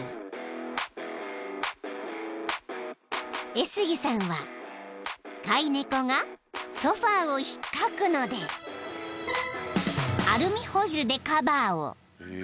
［エスギさんは飼い猫がソファを引っかくのでアルミホイルでカバーを］